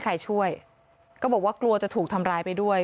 ใครช่วยก็บอกว่ากลัวจะถูกทำร้ายไปด้วย